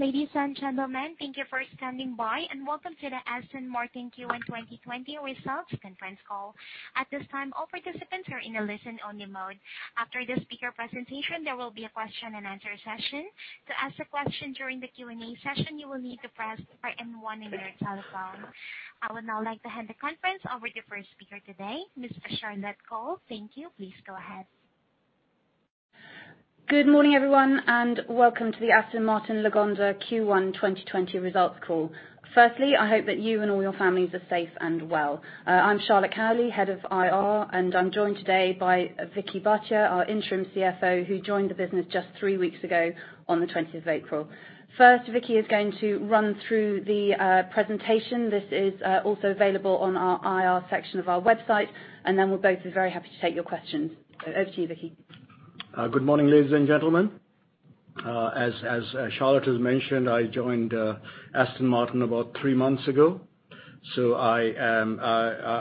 Ladies and gentlemen, thank you for standing by, and welcome to the Aston Martin Q1 2020 results conference call. At this time, all participants are in a listen-only mode. After the speaker presentation, there will be a question-and-answer session. To ask a question during the Q&A session, you will need to press star and one on your telephone. I would now like to hand the conference over to the first speaker today, Ms. Charlotte Cowley. Thank you. Please go ahead. Good morning, everyone, and welcome to the Aston Martin Lagonda Q1 2020 results call. Firstly, I hope that you and all your families are safe and well. I'm Charlotte Cowley, Head of IR, and I'm joined today by Vikram Bhatia, our Interim CFO, who joined the business just three weeks ago on the 20th of April. First, Vikram is going to run through the presentation. This is also available on our IR section of our website, and then we're both very happy to take your questions. Over to you, Vikram. Good morning, ladies and gentlemen. As Charlotte has mentioned, I joined Aston Martin about three months ago. I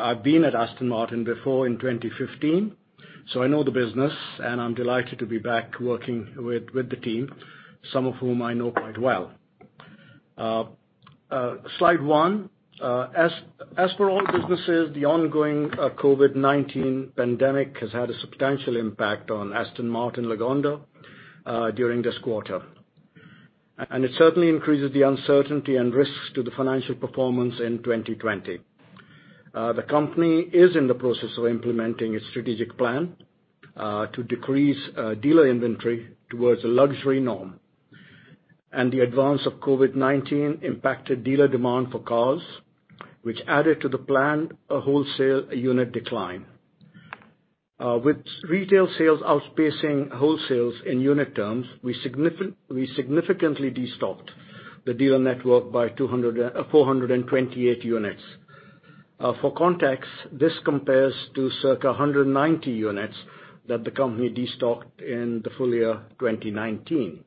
have been at Aston Martin before in 2015, so I know the business, and I am delighted to be back working with the team, some of whom I know quite well. Slide one. As for all businesses, the ongoing COVID-19 pandemic has had a substantial impact on Aston Martin Lagonda during this quarter, and it certainly increases the uncertainty and risks to the financial performance in 2020. The company is in the process of implementing its strategic plan to decrease dealer inventory towards a luxury norm, and the advance of COVID-19 impacted dealer demand for cars, which added to the planned wholesale unit decline. With retail sales outpacing wholesales in unit terms, we significantly destocked the dealer network by 428 units. For context, this compares to circa 190 units that the company destocked in the full year 2019.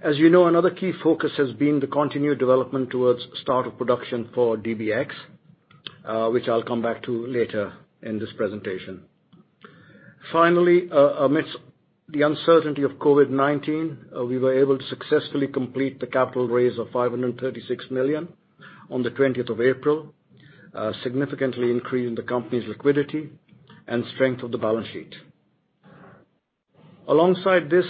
As you know, another key focus has been the continued development towards start of production for DBX, which I'll come back to later in this presentation. Finally, amidst the uncertainty of COVID-19, we were able to successfully complete the capital raise of 536 million on the 20th of April, significantly increasing the company's liquidity and strength of the balance sheet. Alongside this,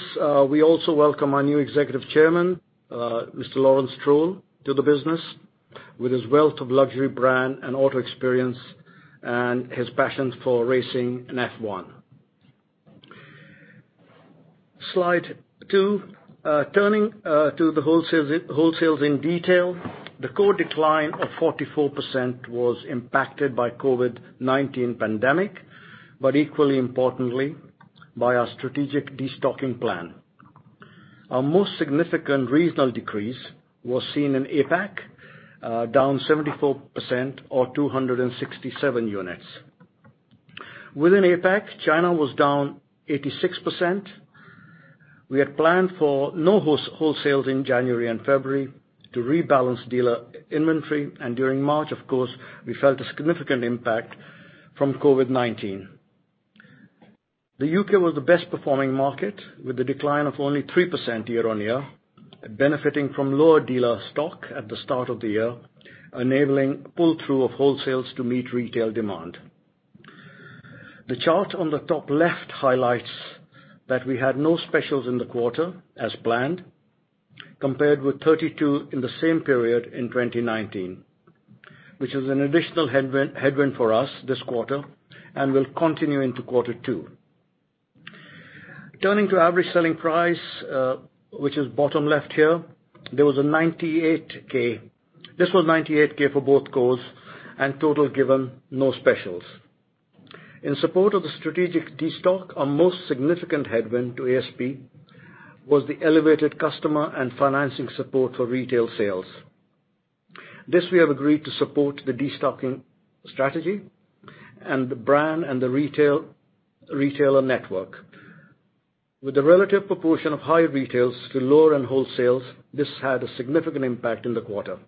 we also welcome our new Executive Chairman, Mr. Lawrence Stroll, to the business with his wealth of luxury brand and auto experience and his passion for racing in F1. Slide two. Turning to the wholesales in detail, the core decline of 44% was impacted by the COVID-19 pandemic, but equally importantly, by our strategic destocking plan. Our most significant regional decrease was seen in APAC, down 74% or 267 units. Within APAC, China was down 86%. We had planned for no wholesales in January and February to rebalance dealer inventory, and during March, of course, we felt a significant impact from COVID-19. The U.K. was the best-performing market, with a decline of only 3% year-on-year, benefiting from lower dealer stock at the start of the year, enabling pull-through of wholesales to meet retail demand. The chart on the top left highlights that we had no specials in the quarter as planned, compared with 32 in the same period in 2019, which is an additional headwind for us this quarter and will continue into quarter two. Turning to average selling price, which is bottom left here, there was a 98,000. This was 98,000 for both cars and total given, no specials. In support of the strategic destock, our most significant headwind to ASP was the elevated customer and financing support for retail sales. This we have agreed to support the destocking strategy and the brand and the retailer network. With the relative proportion of high retails to lower-end wholesales, this had a significant impact in the quarter.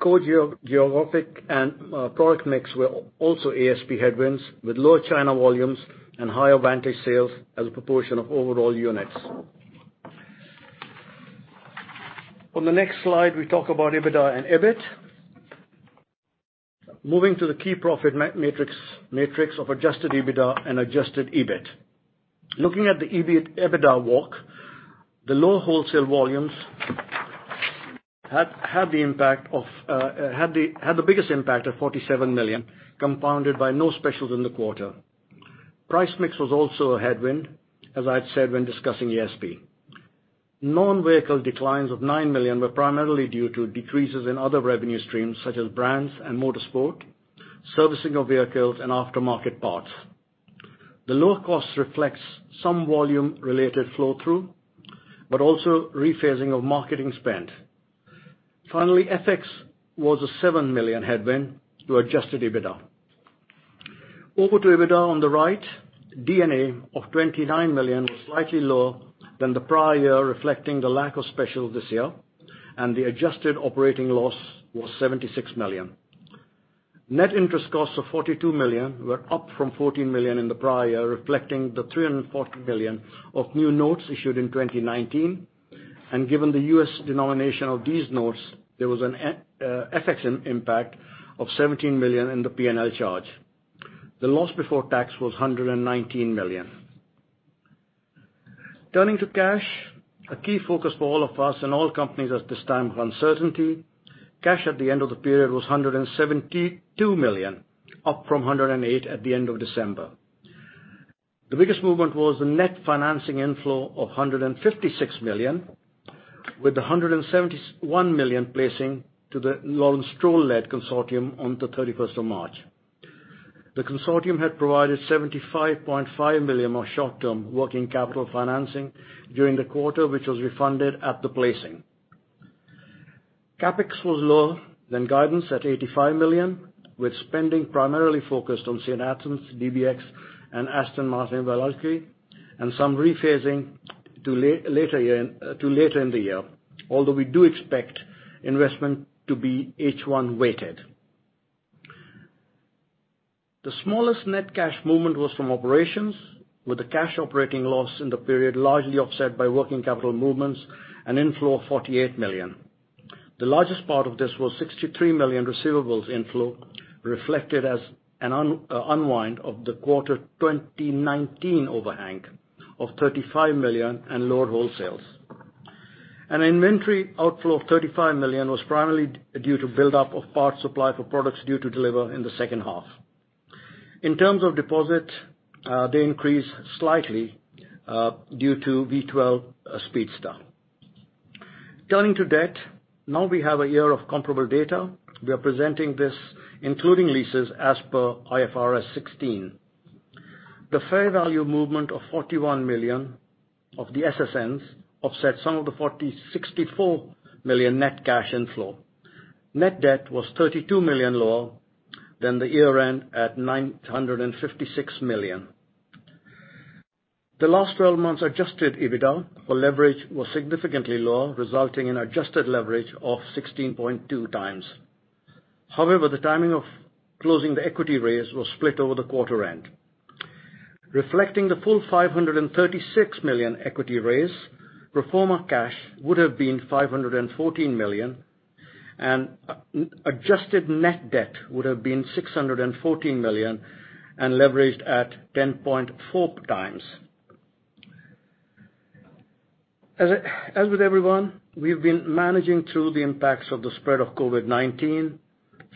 Core geographic and product mix were also ASP headwinds, with lower China volumes and higher Vantage sales as a proportion of overall units. On the next slide, we talk about EBITDA and EBIT. Moving to the key profit matrix of adjusted EBITDA and adjusted EBIT. Looking at the EBITDA walk, the low wholesale volumes had the biggest impact of 47 million, compounded by no specials in the quarter. Price mix was also a headwind, as I had said when discussing ASP. Non-vehicle declines of 9 million were primarily due to decreases in other revenue streams, such as brands and motorsport, servicing of vehicles, and aftermarket parts. The lower cost reflects some volume-related flow-through, but also rephasing of marketing spend. Finally, FX was a 7 million headwind to adjusted EBITDA. Over to EBITDA on the right. DNA of 29 million was slightly lower than the prior year, reflecting the lack of specials this year, and the adjusted operating loss was 76 million. Net interest costs of 42 million were up from 14 million in the prior year, reflecting the 340 million of new notes issued in 2019, and given the USD denomination of these notes, there was an FX impact of 17 million in the P&L charge. The loss before tax was 119 million. Turning to cash, a key focus for all of us and all companies at this time of uncertainty, cash at the end of the period was 172 million, up from 108 million at the end of December. The biggest movement was the net financing inflow of 156 million, with the 171 million placing to the Lawrence Stroll-led consortium on the 31st of March. The consortium had provided 75.5 million of short-term working capital financing during the quarter, which was refunded at the placing. CapEx was lower than guidance at 85 million, with spending primarily focused on St Athan, DBX, and Aston Martin Valkyrie, and some rephasing to later in the year, although we do expect investment to be H1-weighted. The smallest net cash movement was from operations, with the cash operating loss in the period largely offset by working capital movements and inflow of 48 million. The largest part of this was 63 million receivables inflow, reflected as an unwind of the quarter 2019 overhang of 35 million and lower wholesales. An inventory outflow of 35 million was primarily due to build-up of parts supply for products due to deliver in the second half. In terms of deposits, they increased slightly due to V12 Speedster. Turning to debt, now we have a year of comparable data. We are presenting this, including leases, as per IFRS 16. The fair value movement of 41 million of the SSNs offset some of the 64 million net cash inflow. Net debt was 32 million lower than the year-end at 956 million. The last 12 months' adjusted EBITDA for leverage was significantly lower, resulting in adjusted leverage of 16.2x. However, the timing of closing the equity raise was split over the quarter-end. Reflecting the full 536 million equity raise, proforma cash would have been 514 million, and adjusted net debt would have been 614 million and leveraged at 10.4x. As with everyone, we've been managing through the impacts of the spread of COVID-19,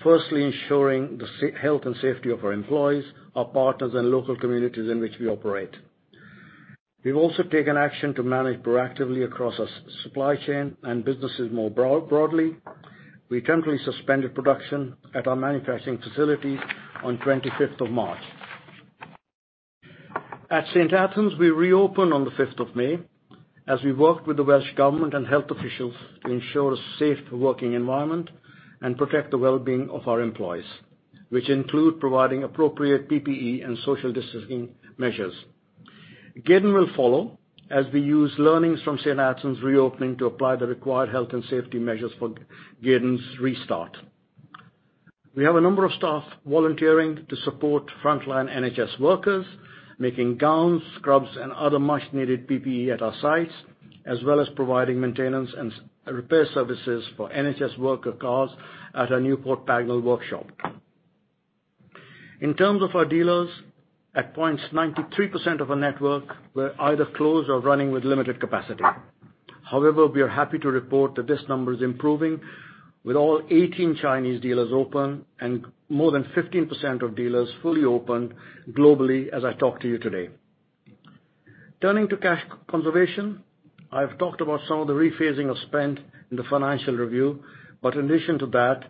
firstly ensuring the health and safety of our employees, our partners, and local communities in which we operate. We've also taken action to manage proactively across our supply chain and businesses more broadly. We temporarily suspended production at our manufacturing facilities on the 25th of March. At St Athan, we reopened on the 5th of May as we worked with the Welsh government and health officials to ensure a safe working environment and protect the well-being of our employees, which includes providing appropriate PPE and social distancing measures. Gaydon will follow as we use learnings from St Athan's reopening to apply the required health and safety measures for Gaydon's restart. We have a number of staff volunteering to support frontline NHS workers, making gowns, scrubs, and other much-needed PPE at our sites, as well as providing maintenance and repair services for NHS worker cars at our Newport Pagnell workshop. In terms of our dealers, at points, 93% of our network were either closed or running with limited capacity. However, we are happy to report that this number is improving, with all 18 Chinese dealers open and more than 15% of dealers fully open globally as I talk to you today. Turning to cash conservation, I've talked about some of the rephasing of spend in the financial review, but in addition to that,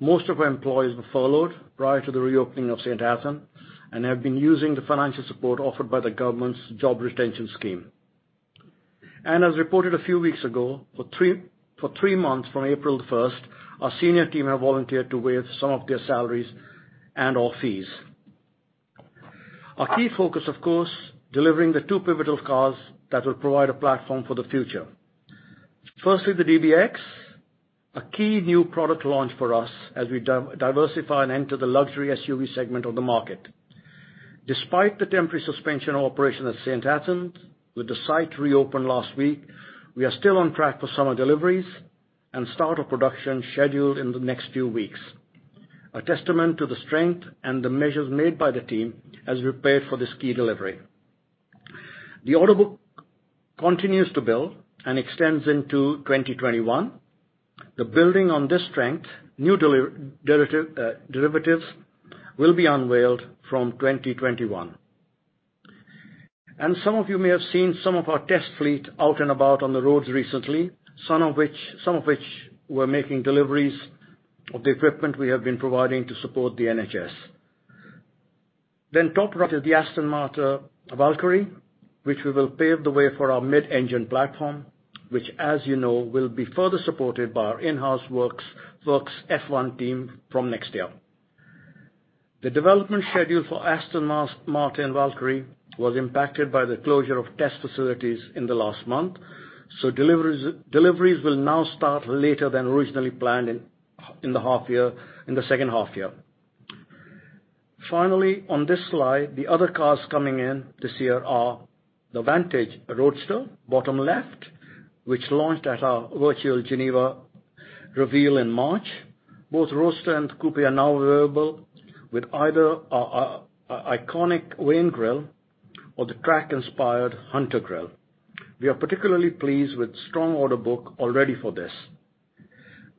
most of our employees were furloughed prior to the reopening of St Athan and have been using the financial support offered by the government's job retention scheme. As reported a few weeks ago, for three months from April 1st, our senior team have volunteered to waive some of their salaries and/or fees. Our key focus, of course, is delivering the two pivotal cars that will provide a platform for the future. Firstly, the DBX, a key new product launch for us as we diversify and enter the luxury SUV segment of the market. Despite the temporary suspension of operation at St Athan, with the site reopened last week, we are still on track for summer deliveries and start of production scheduled in the next few weeks, a testament to the strength and the measures made by the team as we prepared for this key delivery. The order book continues to build and extends into 2021. Building on this strength, new derivatives will be unveiled from 2021. Some of you may have seen some of our test fleet out and about on the roads recently, some of which were making deliveries of the equipment we have been providing to support the NHS. Top right is the Aston Martin Valkyrie, which will pave the way for our mid-engine platform, which, as you know, will be further supported by our in-house works F1 team from next year. The development schedule for Aston Martin Valkyrie was impacted by the closure of test facilities in the last month, so deliveries will now start later than originally planned in the second half year. Finally, on this slide, the other cars coming in this year are the Vantage Roadster, bottom left, which launched at our virtual Geneva reveal in March. Both Roadster and Coupe are now available with either our iconic Vaned Grille or the track-inspired Hunter Grille. We are particularly pleased with strong order book already for this.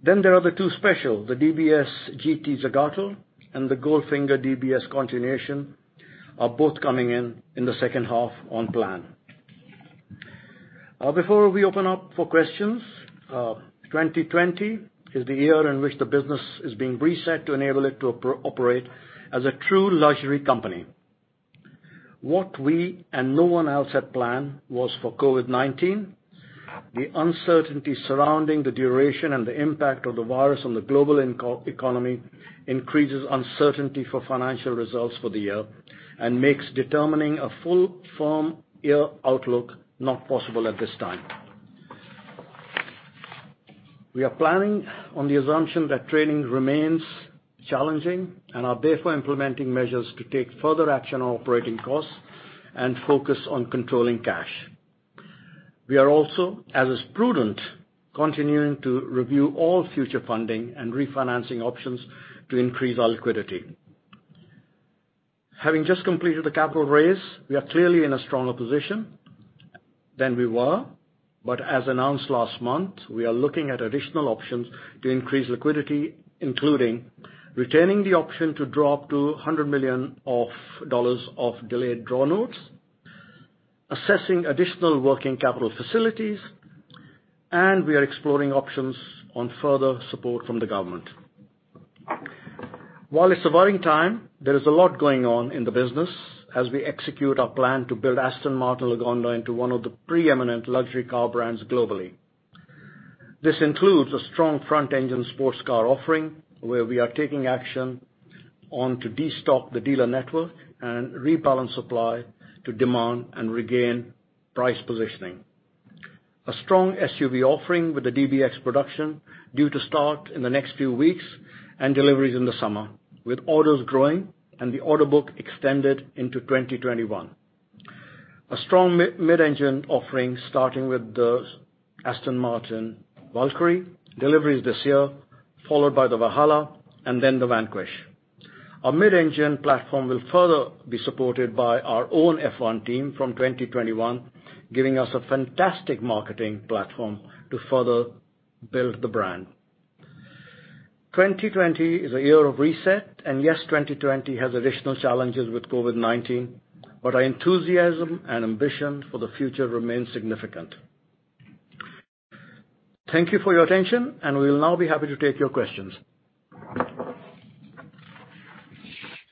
There are the two specials, the DBS GT Zagato and the Goldfinger DBS Continuation, both coming in in the second half on plan. Before we open up for questions, 2020 is the year in which the business is being reset to enable it to operate as a true luxury company. What we and no one else had planned was for COVID-19. The uncertainty surrounding the duration and the impact of the virus on the global economy increases uncertainty for financial results for the year and makes determining a full firm year outlook not possible at this time. We are planning on the assumption that training remains challenging and are therefore implementing measures to take further action on operating costs and focus on controlling cash. We are also, as is prudent, continuing to review all future funding and refinancing options to increase our liquidity. Having just completed the capital raise, we are clearly in a stronger position than we were, but as announced last month, we are looking at additional options to increase liquidity, including retaining the option to draw up to $100 million of delayed draw notes, assessing additional working capital facilities, and we are exploring options on further support from the government. While it is a varying time, there is a lot going on in the business as we execute our plan to build Aston Martin Lagonda into one of the preeminent luxury car brands globally. This includes a strong front-engine sports car offering where we are taking action on to destock the dealer network and rebalance supply to demand and regain price positioning. A strong SUV offering with the DBX production due to start in the next few weeks and deliveries in the summer, with orders growing and the order book extended into 2021. A strong mid-engine offering starting with the Aston Martin Valkyrie, deliveries this year, followed by the Valhalla, and then the Vanquish. Our mid-engine platform will further be supported by our own F1 team from 2021, giving us a fantastic marketing platform to further build the brand. 2020 is a year of reset, and yes, 2020 has additional challenges with COVID-19, but our enthusiasm and ambition for the future remain significant. Thank you for your attention, and we will now be happy to take your questions.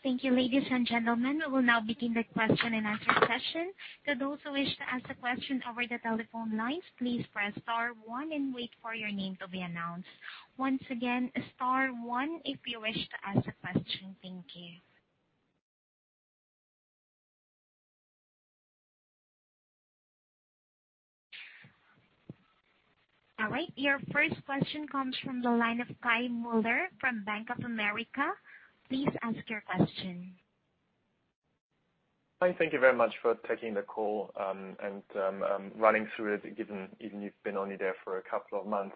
Thank you, ladies and gentlemen. We will now begin the question-and-answer session. For those who wish to ask a question over the telephone lines, please press star one and wait for your name to be announced. Once again, star one if you wish to ask a question. Thank you. All right. Your first question comes from the line of Kai Mueller from Bank of America. Please ask your question. Hi. Thank you very much for taking the call and running through it, given you've been only there for a couple of months.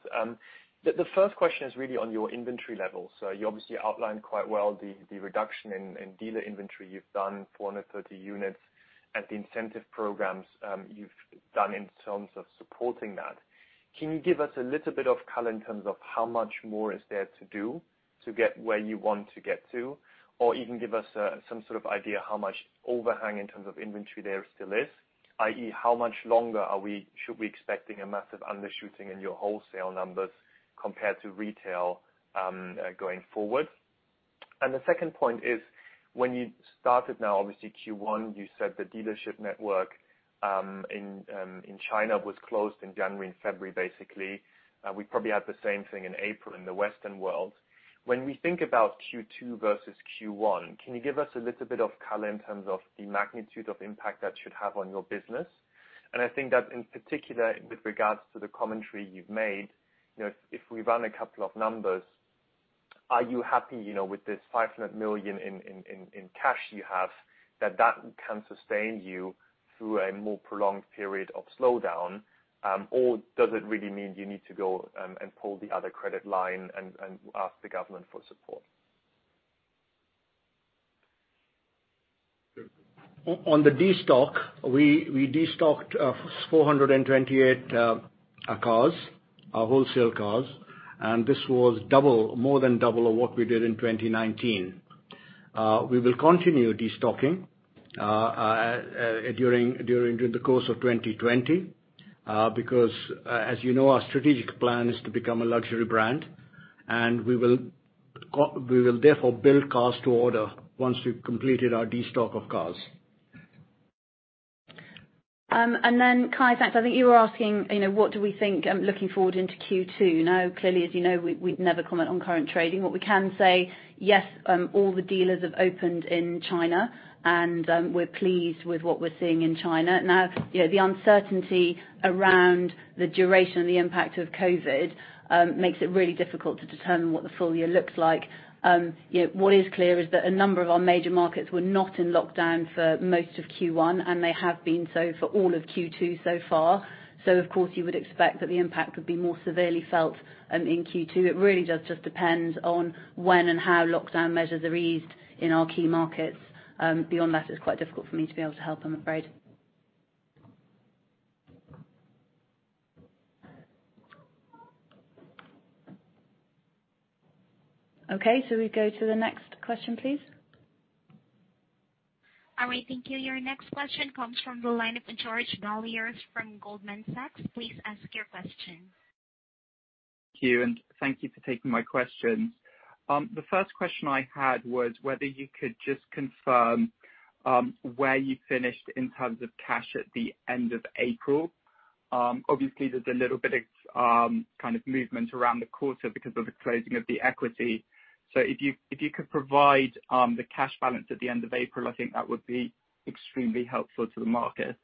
The first question is really on your inventory level. You obviously outlined quite well the reduction in dealer inventory you've done, 430 units, and the incentive programs you've done in terms of supporting that. Can you give us a little bit of color in terms of how much more is there to do to get where you want to get to, or even give us some sort of idea how much overhang in terms of inventory there still is, i.e., how much longer should we be expecting a massive undershooting in your wholesale numbers compared to retail going forward? The second point is, when you started now, obviously, Q1, you said the dealership network in China was closed in January and February, basically. We probably had the same thing in April in the Western world. When we think about Q2 versus Q1, can you give us a little bit of color in terms of the magnitude of impact that should have on your business? I think that, in particular, with regards to the commentary you've made, if we run a couple of numbers, are you happy with this 500 million in cash you have that that can sustain you through a more prolonged period of slowdown, or does it really mean you need to go and pull the other credit line and ask the government for support? On the destock, we destocked 428 cars, our wholesale cars, and this was more than double of what we did in 2019. We will continue destocking during the course of 2020 because, as you know, our strategic plan is to become a luxury brand, and we will therefore build cars to order once we've completed our destock of cars. Kai, thanks, I think you were asking, "What do we think looking forward into Q2?" Now, clearly, as you know, we'd never comment on current trading. What we can say, yes, all the dealers have opened in China, and we're pleased with what we're seeing in China. Now, the uncertainty around the duration and the impact of COVID makes it really difficult to determine what the full year looks like. What is clear is that a number of our major markets were not in lockdown for most of Q1, and they have been so for all of Q2 so far. Of course, you would expect that the impact would be more severely felt in Q2. It really does just depend on when and how lockdown measures are eased in our key markets. Beyond that, it's quite difficult for me to be able to help, I'm afraid. Okay. We go to the next question, please. All right. Thank you. Your next question comes from the line of George Galliers from Goldman Sachs. Please ask your question. Thank you. Thank you for taking my questions. The first question I had was whether you could just confirm where you finished in terms of cash at the end of April. Obviously, there is a little bit of kind of movement around the quarter because of the closing of the equity. If you could provide the cash balance at the end of April, I think that would be extremely helpful to the market.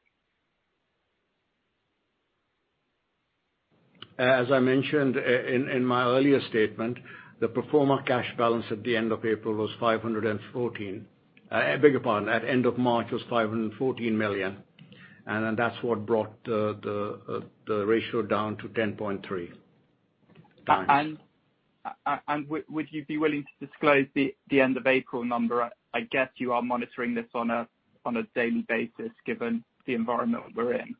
As I mentioned in my earlier statement, the pro forma cash balance at the end of April was 514 million. Big apartment. At the end of March, it was 514 million. That is what brought the ratio down to 10.3x. Would you be willing to disclose the end-of-April number? I guess you are monitoring this on a daily basis given the environment we are in.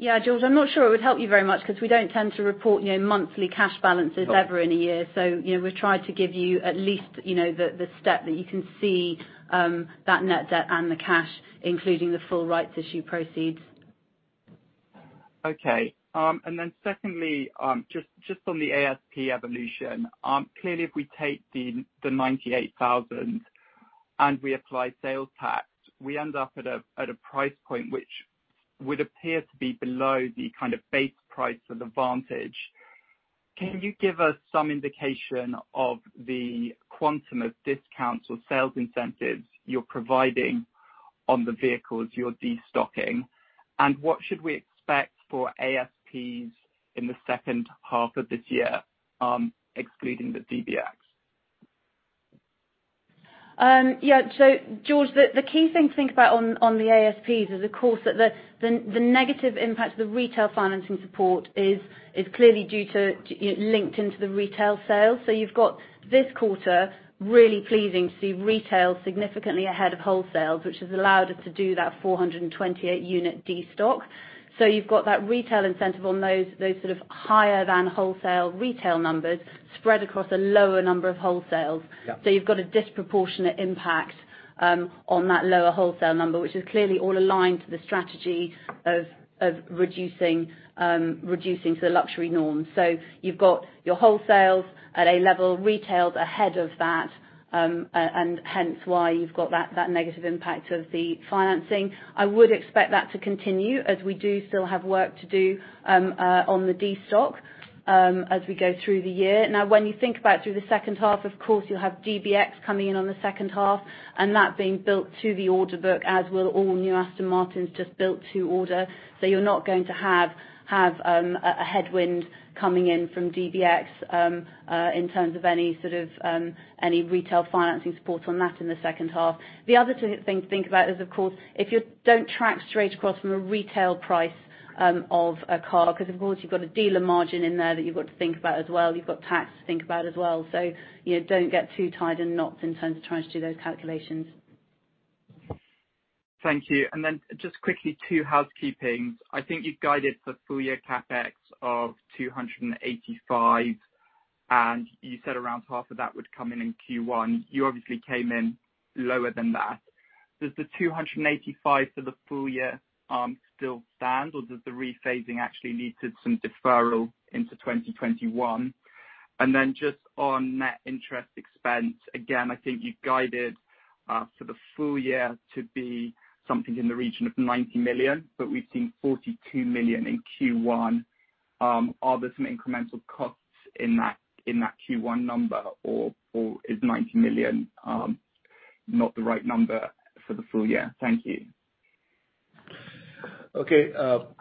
Yeah, George, I am not sure it would help you very much because we do not tend to report monthly cash balances ever in a year. We have tried to give you at least the step that you can see that net debt and the cash, including the full rights issue proceeds. Okay. Secondly, just on the ASP evolution, clearly, if we take the 98,000 and we apply sales tax, we end up at a price point which would appear to be below the kind of base price for the Vantage. Can you give us some indication of the quantum of discounts or sales incentives you are providing on the vehicles you are destocking? What should we expect for ASPs in the second half of this year, excluding the DBX? Yeah. George, the key thing to think about on the ASPs is, of course, that the negative impact of the retail financing support is clearly linked into the retail sales. You have this quarter really pleasing to see retail significantly ahead of wholesales, which has allowed us to do that 428-unit destock. You have that retail incentive on those sort of higher-than-wholesale retail numbers spread across a lower number of wholesales. You have a disproportionate impact on that lower wholesale number, which is clearly all aligned to the strategy of reducing to the luxury norm. You have your wholesales at a level, retails ahead of that, and hence why you have that negative impact of the financing. I would expect that to continue as we do still have work to do on the destock as we go through the year. Now, when you think about through the second half, of course, you'll have DBX coming in on the second half and that being built to the order book, as will all new Aston Martins just built to order. You are not going to have a headwind coming in from DBX in terms of any sort of any retail financing support on that in the second half. The other thing to think about is, of course, if you do not track straight across from a retail price of a car, because, of course, you have got a dealer margin in there that you have got to think about as well. You have got tax to think about as well. Don't get too tied and knot in terms of trying to do those calculations. Thank you. Just quickly, two housekeepings. I think you've guided for full-year CapEx of 285 million, and you said around half of that would come in in Q1. You obviously came in lower than that. Does the 285 million for the full year still stand, or does the rephasing actually lead to some deferral into 2021? Just on net interest expense, again, I think you guided for the full year to be something in the region of 90 million, but we've seen 42 million in Q1. Are there some incremental costs in that Q1 number, or is 90 million not the right number for the full year? Thank you. Okay.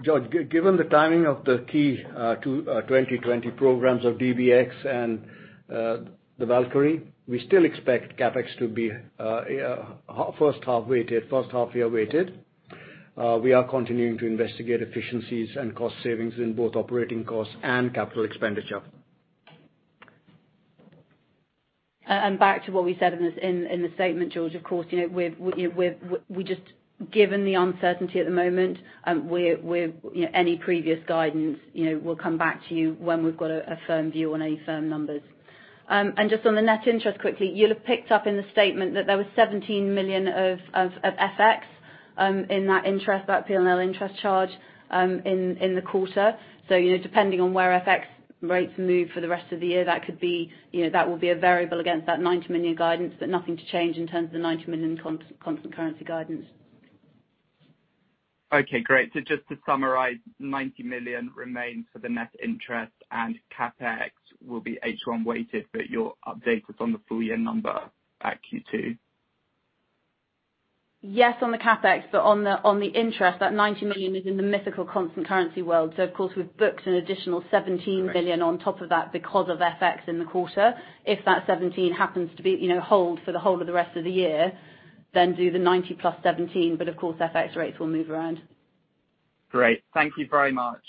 George, given the timing of the key 2020 programs of DBX and the Valkyrie, we still expect CapEx to be first half weighted, first half year weighted. We are continuing to investigate efficiencies and cost savings in both operating costs and capital expenditure. Back to what we said in the statement, George, of course, just given the uncertainty at the moment. Any previous guidance, we will come back to you when we have got a firm view on any firm numbers. Just on the net interest quickly, you will have picked up in the statement that there was 17 million of FX in that interest, that P&L interest charge in the quarter. Depending on where FX rates move for the rest of the year, that will be a variable against that 90 million guidance, but nothing to change in terms of the 90 million constant currency guidance. Okay. Great. Just to summarize, 90 million remains for the net interest, and CapEx will be H1 weighted, but you are updated on the full-year number at Q2. Yes, on the CapEx, but on the interest, that 90 million is in the mythical constant currency world. Of course, we have booked an additional 17 million on top of that because of FX in the quarter. If that 17 million happens to be held for the whole of the rest of the year, then do the 90 million plus 17 million, but of course, FX rates will move around. Great. Thank you very much.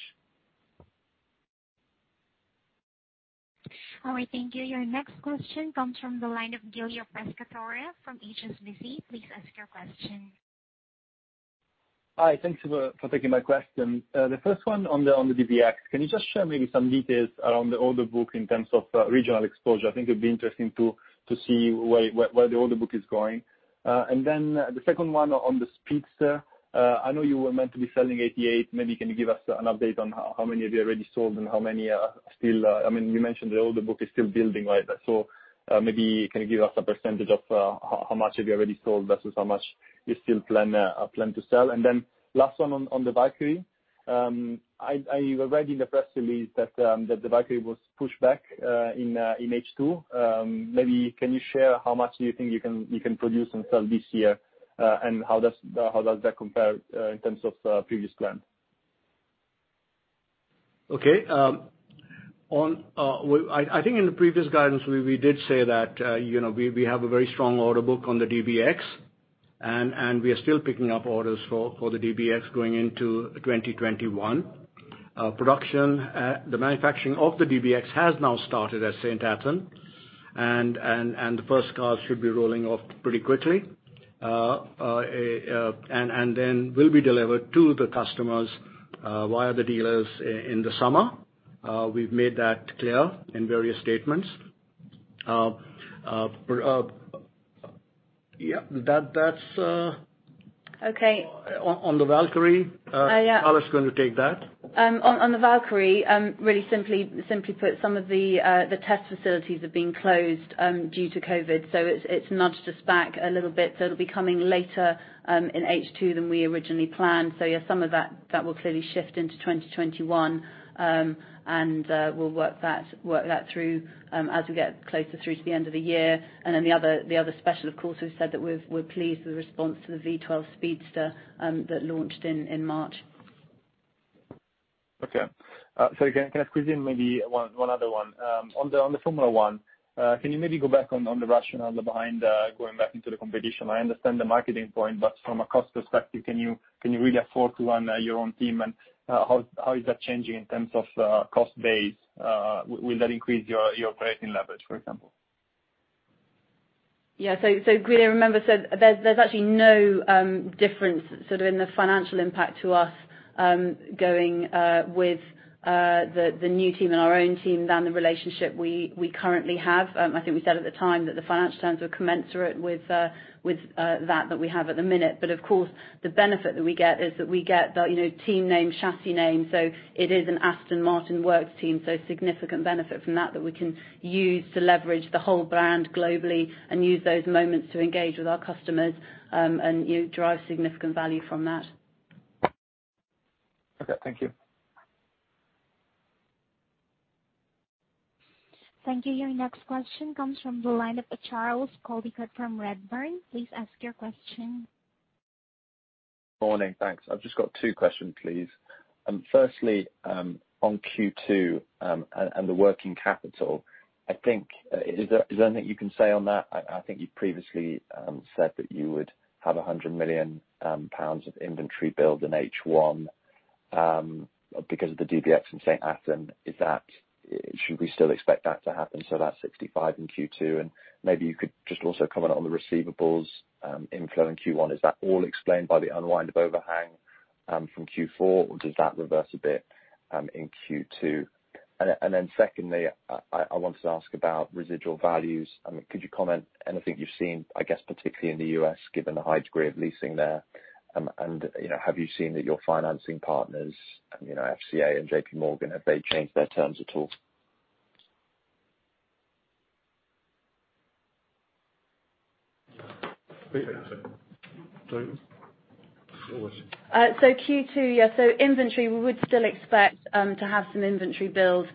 All right. Thank you. Your next question comes from the line of Giulio Pescatore from HSBC. Please ask your question. Hi. Thanks for taking my question. The first one on the DBX, can you just share maybe some details around the order book in terms of regional exposure? I think it'd be interesting to see where the order book is going. The second one on the Speedster, I know you were meant to be selling 88. Maybe can you give us an update on how many have you already sold and how many are still? I mean, you mentioned the order book is still building, right? Maybe can you give us a percentage of how much have you already sold versus how much you still plan to sell? The last one on the Valkyrie. I read in the press release that the Valkyrie was pushed back in H2. Maybe can you share how much do you think you can produce and sell this year, and how does that compare in terms of previous plan? Okay. I think in the previous guidance, we did say that we have a very strong order book on the DBX, and we are still picking up orders for the DBX going into 2021. Production, the manufacturing of the DBX has now started at St Athan, and the first cars should be rolling off pretty quickly and then will be delivered to the customers via the dealers in the summer. We have made that clear in various statements. Yeah. That is on the Valkyrie. I was going to take that. On the Valkyrie, really simply put, some of the test facilities have been closed due to COVID, so it has nudged us back a little bit. It will be coming later in H2 than we originally planned. Yeah, some of that will clearly shift into 2021, and we'll work that through as we get closer through to the end of the year. The other special, of course, we've said that we're pleased with the response to the V12 Speedster that launched in March. Okay. Can I squeeze in maybe one other one? On the Formula 1, can you maybe go back on the rationale behind going back into the competition? I understand the marketing point, but from a cost perspective, can you really afford to run your own team? How is that changing in terms of cost base? Will that increase your operating leverage, for example? Yeah. Giulio, remember, there's actually no difference in the financial impact to us going with the new team and our own team than the relationship we currently have. I think we said at the time that the financial terms were commensurate with that that we have at the minute. Of course, the benefit that we get is that we get the team name, chassis name. It is an Aston Martin Works team. Significant benefit from that that we can use to leverage the whole brand globally and use those moments to engage with our customers and drive significant value from that. Okay. Thank you. Thank you. Your next question comes from the line of Charles Coldicott from Redburn. Please ask your question. Morning. Thanks. I've just got two questions, please. Firstly, on Q2 and the working capital, is there anything you can say on that? I think you previously said that you would have 100 million pounds of inventory build in H1 because of the DBX in St Athan. Should we still expect that to happen? That is 65 in Q2. Maybe you could just also comment on the receivables inflow in Q1. Is that all explained by the unwind of overhang from Q4, or does that reverse a bit in Q2? Secondly, I wanted to ask about residual values. Could you comment on anything you have seen, I guess, particularly in the U.S., given the high degree of leasing there? Have you seen that your financing partners, FCA and JPMorgan, have changed their terms at all? Q2, yeah. Inventory, we would still expect to have some inventory build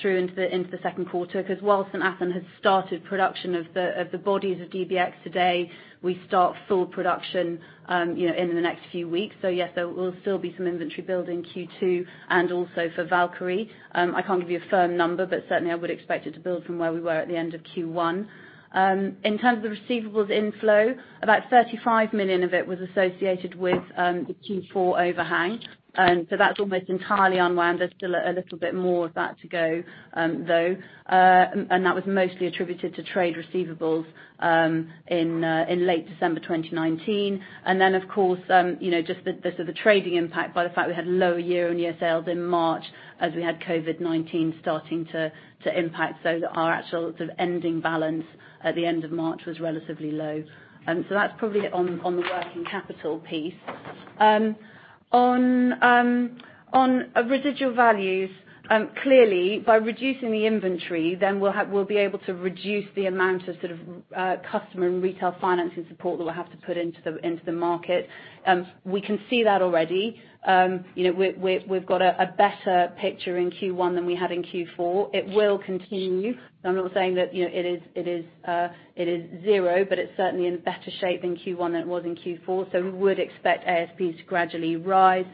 through into the second quarter because whilst St Athan has started production of the bodies of DBX today, we start full production in the next few weeks. Yes, there will still be some inventory build in Q2 and also for Valkyrie. I can't give you a firm number, but certainly, I would expect it to build from where we were at the end of Q1. In terms of the receivables inflow, about 35 million of it was associated with the Q4 overhang. That is almost entirely unwind. There is still a little bit more of that to go, though. That was mostly attributed to trade receivables in late December 2019. Of course, just the trading impact by the fact we had low year-on-year sales in March as we had COVID-19 starting to impact meant that our actual sort of ending balance at the end of March was relatively low. That is probably on the working capital piece. On residual values, clearly, by reducing the inventory, then we'll be able to reduce the amount of sort of customer and retail financing support that we'll have to put into the market. We can see that already. We've got a better picture in Q1 than we had in Q4. It will continue. I'm not saying that it is zero, but it's certainly in better shape in Q1 than it was in Q4. We would expect ASPs to gradually rise.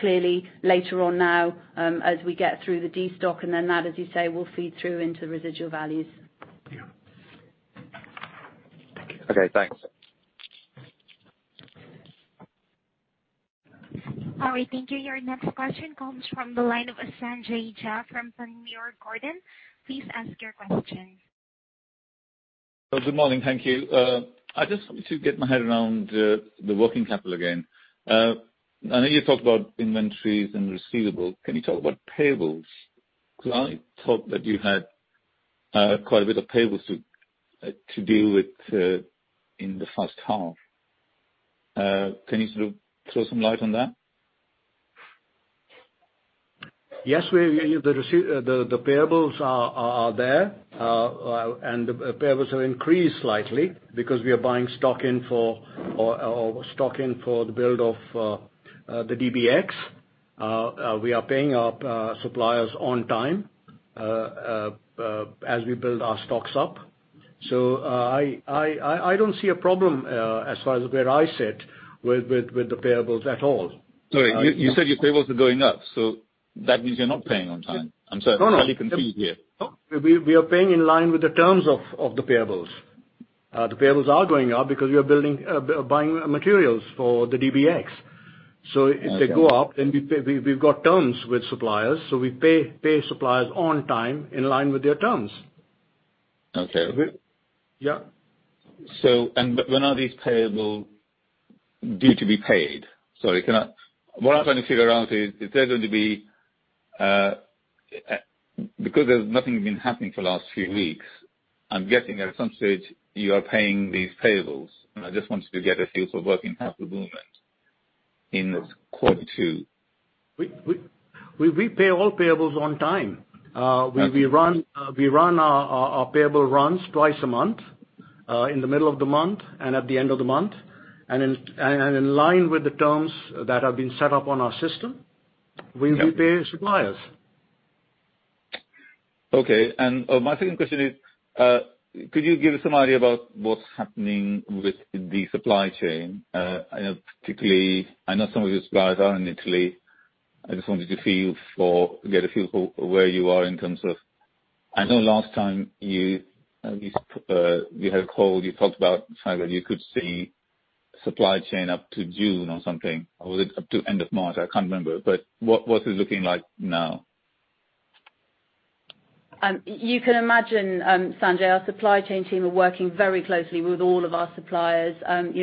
Clearly, later on now, as we get through the destock and then that, as you say, will feed through into residual values. Thank you. Okay. Thanks. All right. Thank you. Your next question comes from the line of Sanjay Jha from Panmure Gordon. Please ask your question. Good morning. Thank you. I just wanted to get my head around the working capital again. I know you talked about inventories and receivables. Can you talk about payables? Because I thought that you had quite a bit of payables to deal with in the first half. Can you sort of throw some light on that? Yes. The payables are there, and the payables have increased slightly because we are buying stock in for or stock in for the build of the DBX. We are paying our suppliers on time as we build our stocks up. I do not see a problem as far as where I sit with the payables at all. Sorry. You said your payables are going up, so that means you are not paying on time. I am sorry. I am slightly confused here. We are paying in line with the terms of the payables. The payables are going up because we are buying materials for the DBX. If they go up, then we've got terms with suppliers. We pay suppliers on time in line with their terms. Yeah. When are these payables due to be paid? Sorry. What I'm trying to figure out is if they're going to be, because there's nothing been happening for the last few weeks, I'm guessing at some stage you are paying these payables. I just wanted to get a sense of working capital movement in this quarter two. We pay all payables on time. We run our payable runs twice a month, in the middle of the month and at the end of the month. In line with the terms that have been set up on our system, we pay suppliers. Okay. My second question is, could you give us some idea about what's happening with the supply chain? Particularly, I know some of your suppliers are in Italy. I just wanted to get a feel for where you are in terms of I know last time you had a call, you talked about the fact that you could see supply chain up to June or something. Was it up to end of March? I can't remember. What's it looking like now? You can imagine, Sanjay, our supply chain team are working very closely with all of our suppliers.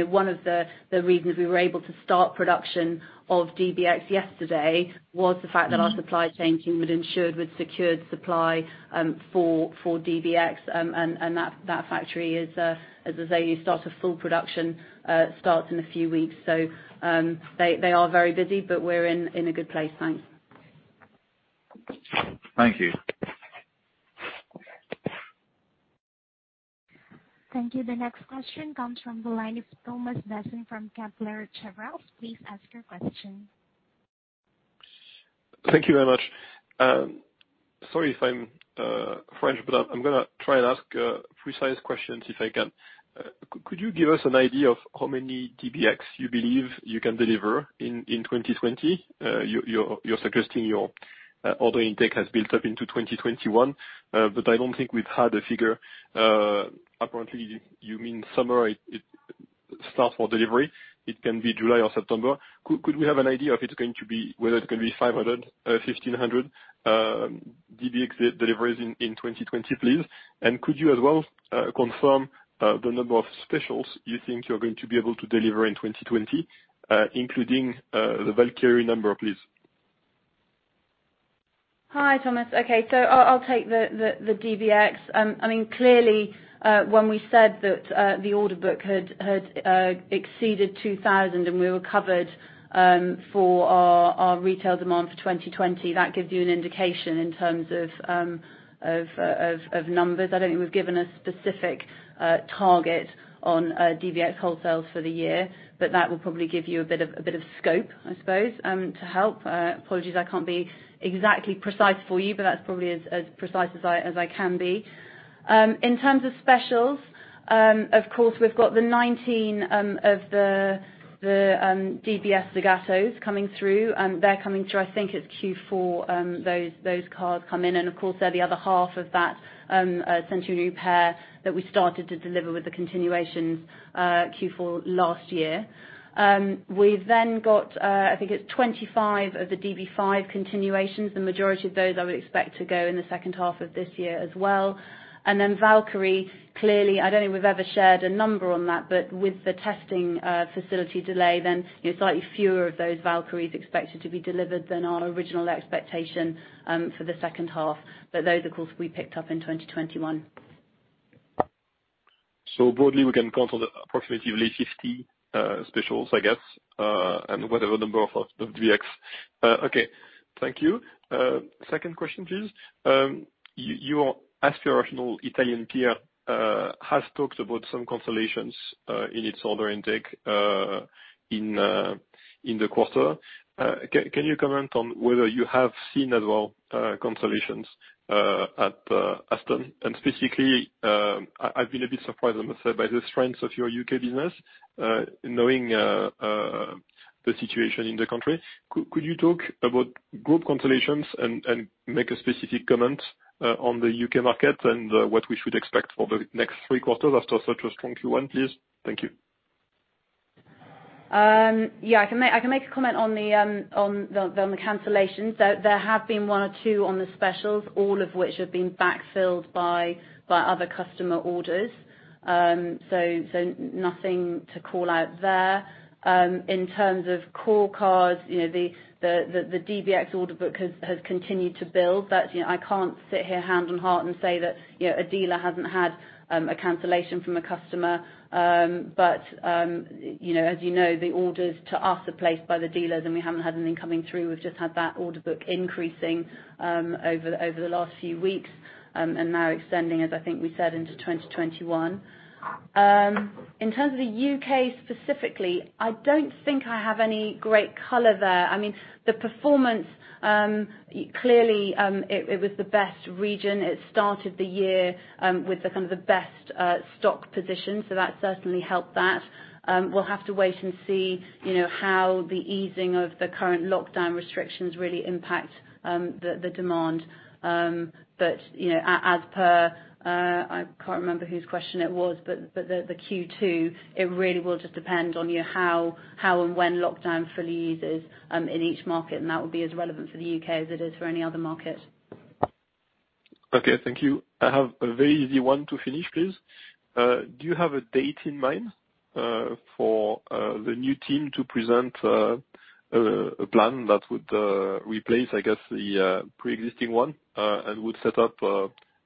One of the reasons we were able to start production of DBX yesterday was the fact that our supply chain team had ensured with secured supply for DBX. That factory is, as I say, you start a full production starts in a few weeks. They are very busy, but we're in a good place. Thanks. Thank you. Thank you. The next question comes from the line of Thomas Besson from Kepler Cheuvreux. Please ask your question. Thank you very much. Sorry if I'm French, but I'm going to try and ask precise questions if I can. Could you give us an idea of how many DBX you believe you can deliver in 2020? You're suggesting your order intake has built up into 2021, but I don't think we've had a figure. Apparently, you mean summer start for delivery. It can be July or September. Could we have an idea of whether it's going to be 500, 1,500 DBX deliveries in 2020, please? Could you as well confirm the number of specials you think you're going to be able to deliver in 2020, including the Valkyrie number, please? Hi, Thomas. Okay. I'll take the DBX. I mean, clearly, when we said that the order book had exceeded 2,000 and we were covered for our retail demand for 2020, that gives you an indication in terms of numbers. I do not think we have given a specific target on DBX wholesales for the year, but that will probably give you a bit of scope, I suppose, to help. Apologies, I cannot be exactly precise for you, but that is probably as precise as I can be. In terms of specials, of course, we have got the 19 of the DBS Zagatos coming through. They are coming through, I think it is Q4, those cars come in. Of course, they are the other half of that Centurion pair that we started to deliver with the continuations Q4 last year. We have then got, I think it is 25 of the DB5 Continuations. The majority of those I would expect to go in the second half of this year as well. Valkyrie, clearly, I do not think we have ever shared a number on that, but with the testing facility delay, then slightly fewer of those Valkyries expected to be delivered than our original expectation for the second half. Those, of course, we picked up in 2021. Broadly, we can count on approximately 50 specials, I guess, and whatever number of DBX. Okay. Thank you. Second question, please. Your aspirational Italian peer has talked about some cancellations in its order intake in the quarter. Can you comment on whether you have seen as well cancellations at Aston? Specifically, I have been a bit surprised, I must say, by the strength of your U.K. business, knowing the situation in the country. Could you talk about group cancellations and make a specific comment on the U.K. market and what we should expect for the next three quarters after such a strong Q1, please? Thank you. Yeah. I can make a comment on the cancellations. There have been one or two on the specials, all of which have been backfilled by other customer orders. Nothing to call out there. In terms of call cards, the DBX order book has continued to build. I can't sit here hand on heart and say that a dealer hasn't had a cancellation from a customer. As you know, the orders to us are placed by the dealers, and we haven't had anything coming through. We've just had that order book increasing over the last few weeks and now extending, as I think we said, into 2021. In terms of the U.K. specifically, I don't think I have any great color there. I mean, the performance, clearly, it was the best region. It started the year with kind of the best stock position. That certainly helped that. We'll have to wait and see how the easing of the current lockdown restrictions really impact the demand. As per I can't remember whose question it was, the Q2, it really will just depend on how and when lockdown fully eases in each market. That will be as relevant for the U.K. as it is for any other market. Okay. Thank you. I have a very easy one to finish, please. Do you have a date in mind for the new team to present a plan that would replace, I guess, the pre-existing one and would set up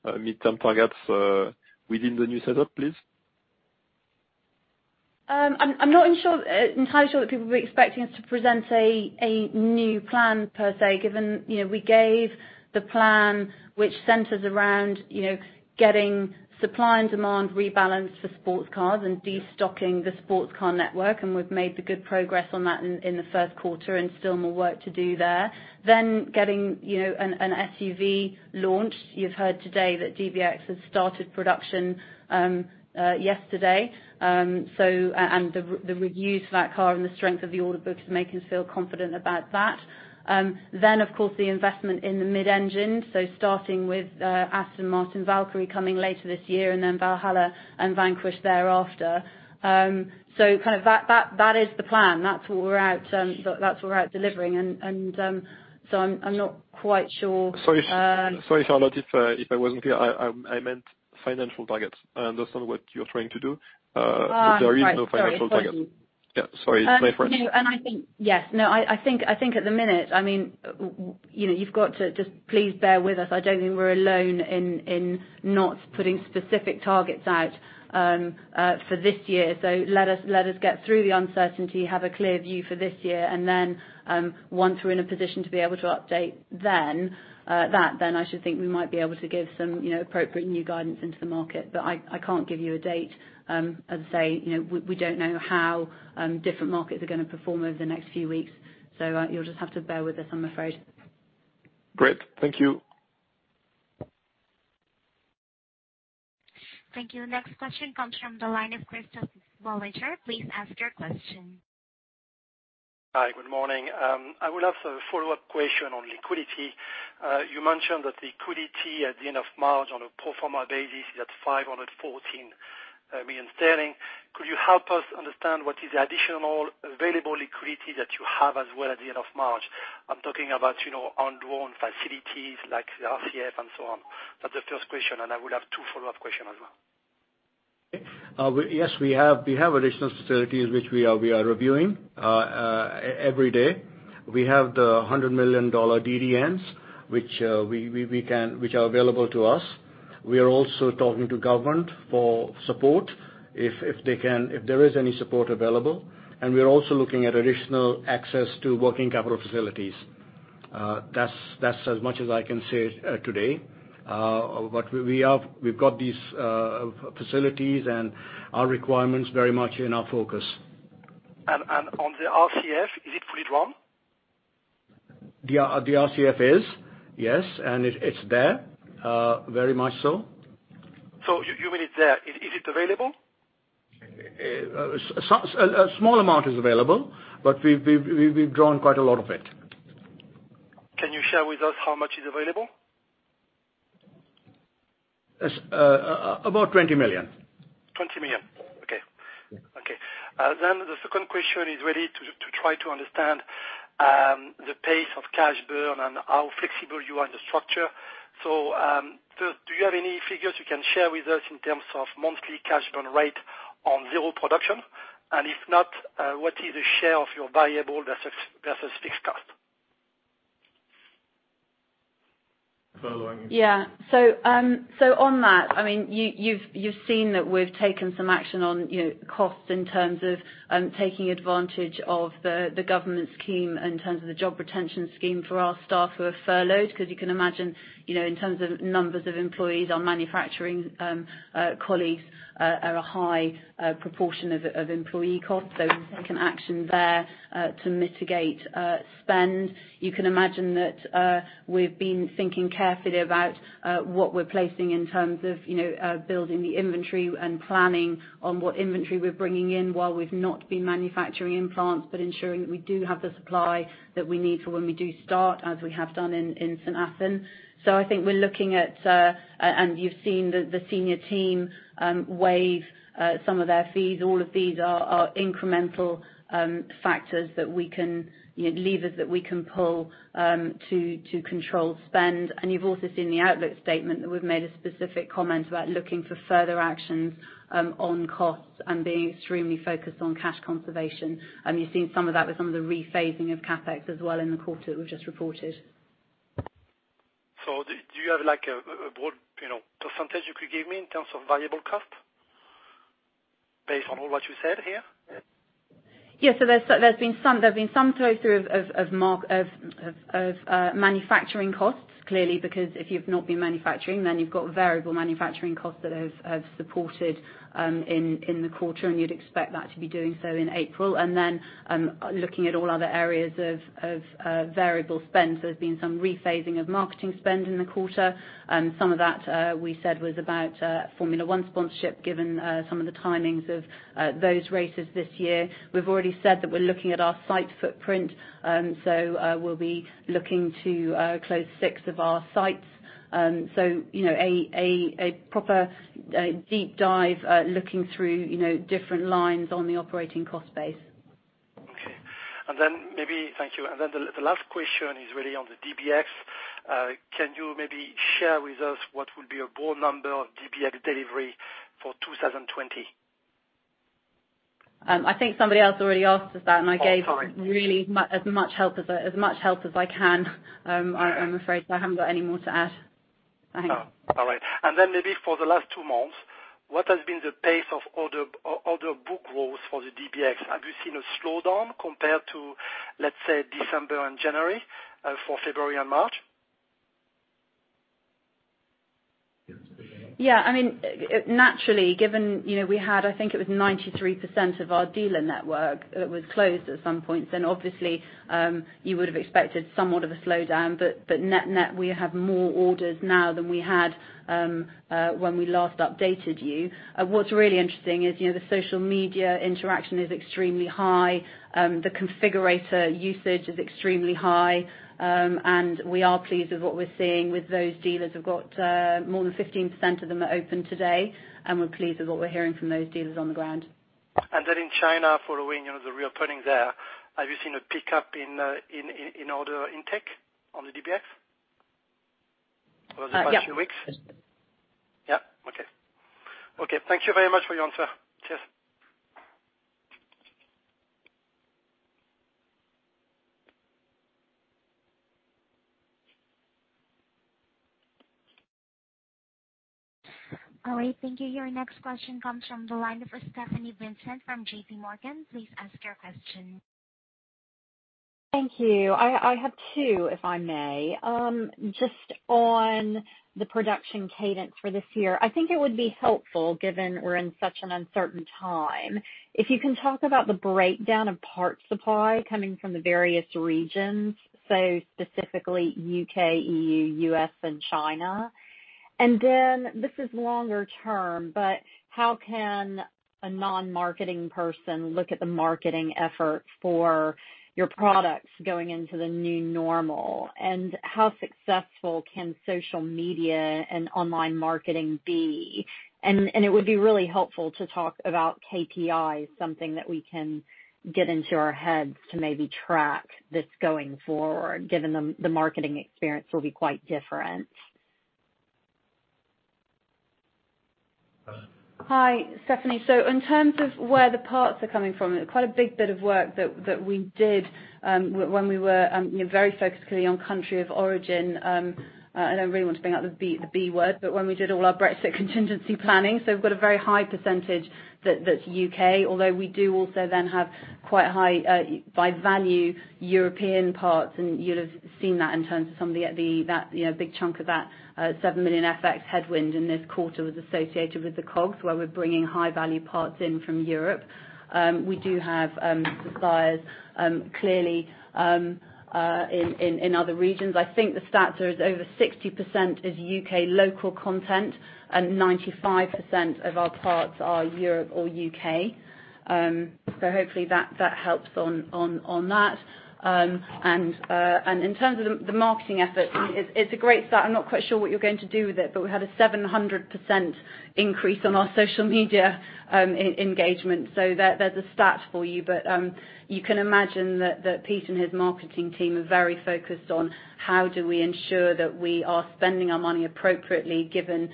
midterm targets within the new setup, please? I'm not entirely sure that people will be expecting us to present a new plan, per se, given we gave the plan, which centers around getting supply and demand rebalanced for sports cars and destocking the sports car network. We've made good progress on that in the first quarter and still more work to do there. Getting an SUV launched, you've heard today that DBX has started production yesterday. The reviews for that car and the strength of the order book is making us feel confident about that. The investment in the mid-engines, starting with Aston Martin Valkyrie coming later this year and then Valhalla and Vanquish thereafter, that is the plan. That's what we're out delivering. I'm not quite sure. Sorry, Charlotte. If I wasn't clear, I meant financial targets. I understand what you're trying to do. There is no financial targets. Yeah. Sorry. It's my French. I think, yes. No, I think at the minute, I mean, you've got to just please bear with us. I don't think we're alone in not putting specific targets out for this year. Let us get through the uncertainty, have a clear view for this year. Once we're in a position to be able to update that, then I should think we might be able to give some appropriate new guidance into the market. I can't give you a date. As I say, we don't know how different markets are going to perform over the next few weeks. You'll just have to bear with us, I'm afraid. Great. Thank you. Thank you. The next question comes from the line of Christoph [Wellinger]. Please ask your question. Hi. Good morning. I would have a follow-up question on liquidity. You mentioned that liquidity at the end of March on a pro forma basis is at 514 million sterling. Could you help us understand what is the additional available liquidity that you have as well at the end of March? I'm talking about on-drawn facilities like the RCF and so on. That's the first question. I would have two follow-up questions as well. Yes, we have additional facilities which we are reviewing every day. We have the $100 million DDNs, which are available to us. We are also talking to government for support if there is any support available. We are also looking at additional access to working capital facilities. That's as much as I can say today. We have these facilities and our requirements very much in our focus. On the RCF, is it fully drawn? The RCF is, yes. And it's there, very much so. So you mean it's there. Is it available? A small amount is available, but we've drawn quite a lot of it. Can you share with us how much is available? About 20 million. 20 million. Okay. Okay. The second question is really to try to understand the pace of cash burn and how flexible you are in the structure. First, do you have any figures you can share with us in terms of monthly cash burn rate on zero production? If not, what is the share of your variable versus fixed cost? Yeah. On that, I mean, you've seen that we've taken some action on costs in terms of taking advantage of the government scheme in terms of the job retention scheme for our staff who are furloughed. Because you can imagine in terms of numbers of employees, our manufacturing colleagues are a high proportion of employee costs. We have taken action there to mitigate spend. You can imagine that we have been thinking carefully about what we are placing in terms of building the inventory and planning on what inventory we are bringing in while we have not been manufacturing in plants, but ensuring that we do have the supply that we need for when we do start, as we have done in St Athan. I think we are looking at, and you have seen the senior team waive some of their fees. All of these are incremental factors that we can levers that we can pull to control spend. You have also seen the outlook statement that we have made a specific comment about looking for further actions on costs and being extremely focused on cash conservation. You have seen some of that with some of the rephasing of CapEx as well in the quarter that we have just reported. Do you have a broad percentage you could give me in terms of variable cost based on all what you said here? Yeah. There has been some flow-through of manufacturing costs, clearly, because if you have not been manufacturing, then you have got variable manufacturing costs that have supported in the quarter. You would expect that to be doing so in April. Looking at all other areas of variable spend, there has been some rephasing of marketing spend in the quarter. Some of that, we said, was about Formula One sponsorship given some of the timings of those races this year. We have already said that we are looking at our site footprint. We will be looking to close six of our sites. A proper deep dive looking through different lines on the operating cost base. Okay. Maybe thank you. The last question is really on the DBX. Can you maybe share with us what would be a ball number of DBX delivery for 2020? I think somebody else already asked us that, and I gave really as much help as I can. I'm afraid I haven't got any more to add. Thanks. All right. Maybe for the last two months, what has been the pace of order book growth for the DBX? Have you seen a slowdown compared to, let's say, December and January for February and March? Yeah. I mean, naturally, given we had, I think it was 93% of our dealer network that was closed at some points, then obviously you would have expected somewhat of a slowdown. Net net, we have more orders now than we had when we last updated you. What's really interesting is the social media interaction is extremely high. The configurator usage is extremely high. We are pleased with what we're seeing with those dealers. We've got more than 15% of them are open today. We are pleased with what we're hearing from those dealers on the ground. In China, following the reopening there, have you seen a pickup in order intake on the DBX? Was it by two weeks? Yeah. Okay. Thank you very much for your answer. Cheers. All right. Thank you. Your next question comes from the line of Stephanie Vincent from JPMorgan. Please ask your question. Thank you. I have two, if I may. Just on the production cadence for this year, I think it would be helpful, given we're in such an uncertain time, if you can talk about the breakdown of parts supply coming from the various regions, so specifically U.K., EU, US, and China. This is longer term, but how can a non-marketing person look at the marketing effort for your products going into the new normal? How successful can social media and online marketing be? It would be really helpful to talk about KPIs, something that we can get into our heads to maybe track this going forward, given the marketing experience will be quite different. Hi, Stephanie. In terms of where the parts are coming from, it's quite a big bit of work that we did when we were very focused clearly on country of origin. I do not really want to bring out the B word, but when we did all our Brexit contingency planning. We have a very high percentage that is U.K., although we do also then have quite high by value European parts. You will have seen that in terms of some of the big chunk of that 7 million FX headwind in this quarter was associated with the COGS, where we are bringing high-value parts in from Europe. We do have suppliers clearly in other regions. I think the stats are over 60% is U.K. local content and 95% of our parts are Europe or U.K. Hopefully that helps on that. In terms of the marketing effort, it is a great start. I am not quite sure what you are going to do with it, but we had a 700% increase on our social media engagement. There is a stat for you. You can imagine that Pete and his marketing team are very focused on how do we ensure that we are spending our money appropriately given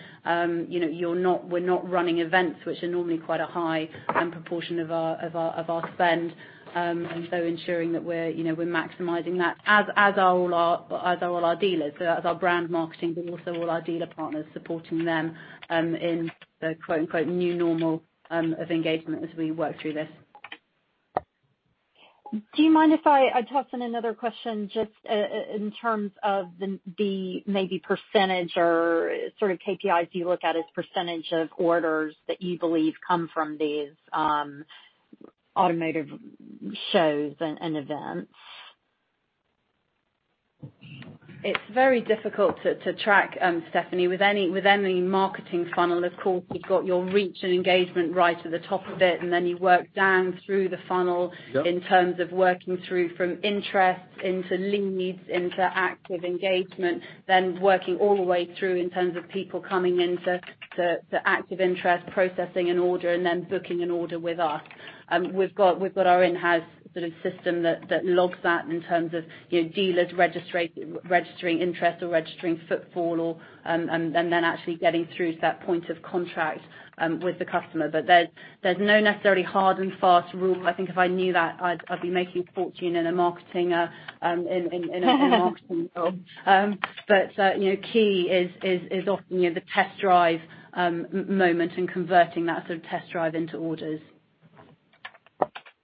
we're not running events, which are normally quite a high proportion of our spend. Ensuring that we're maximizing that as are all our dealers. That's our brand marketing, but also all our dealer partners supporting them in the "new normal" of engagement as we work through this. Do you mind if I toss in another question just in terms of the maybe percentage or sort of KPIs you look at as percentage of orders that you believe come from these automotive shows and events? It's very difficult to track, Stephanie. With any marketing funnel, of course, you've got your reach and engagement right at the top of it, and then you work down through the funnel in terms of working through from interests into leads, into active engagement, then working all the way through in terms of people coming into active interest, processing an order, and then booking an order with us. We've got our in-house sort of system that logs that in terms of dealers registering interest or registering footfall and then actually getting through to that point of contract with the customer. There is no necessarily hard and fast rule. I think if I knew that, I'd be making a fortune in a marketing role. Key is often the test drive moment and converting that sort of test drive into orders.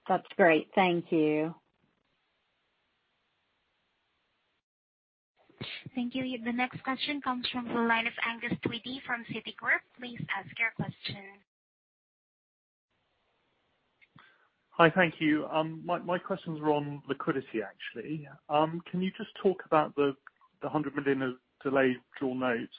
That's great. Thank you. Thank you. The next question comes from the line of Angus Tweedie from Citigroup. Please ask your question. Hi. Thank you. My questions were on liquidity, actually. Can you just talk about the $100 million of delayed draw notes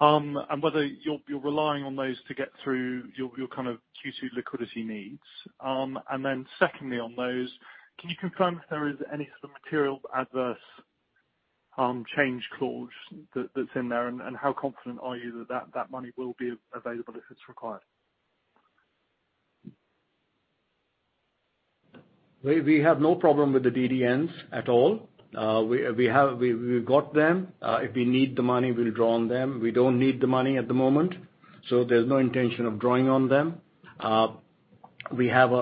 and whether you're relying on those to get through your kind of Q2 liquidity needs? Then secondly, on those, can you confirm if there is any sort of material adverse change clause that's in there and how confident are you that that money will be available if it's required? We have no problem with the DDNs at all. We've got them. If we need the money, we'll draw on them. We don't need the money at the moment. There is no intention of drawing on them. We have